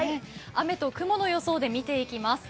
雨と雲の予想で見ていきます。